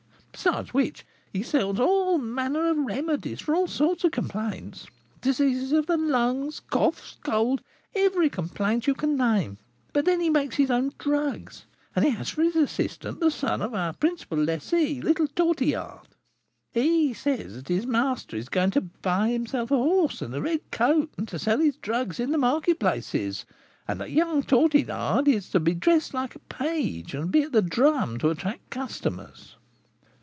Besides which, he sells all manner of remedies for all sorts of complaints, diseases of the lungs, coughs, colds, every complaint you can name; but then he makes his own drugs, and he has for his assistant the son of our principal lessee, little Tortillard. He says that his master is going to buy himself a horse and a red coat, and to sell his drugs in the market places, and that young Tortillard is to be dressed like a page and be at the drum, to attract customers."